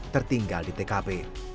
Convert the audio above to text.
tertinggal di tkp